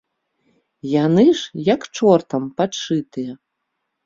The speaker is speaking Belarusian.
Яны ж, як чортам падшытыя.